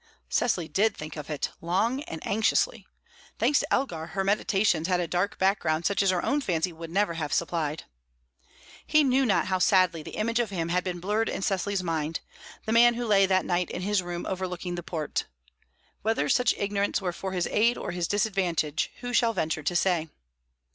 Cecily did think of it, long and anxiously. Thanks to Elgar, her meditations had a dark background such as her own fancy would never have supplied. He knew not how sadly the image of him had been blurred in Cecily's mind, the man who lay that night in his room overlooking the port. Whether such ignorance were for his aid or his disadvantage, who shall venture to say?